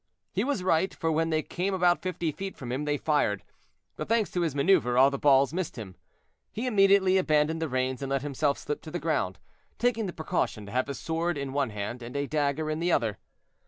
He was right, for when they came about fifty feet from him, they fired, but thanks to his maneuver, all the balls missed him. He immediately abandoned the reins and let himself slip to the ground, taking the precaution to have his sword in one hand and a dagger in the other.